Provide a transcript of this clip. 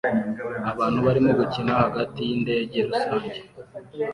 Abantu barimo gukina hagati yindege rusange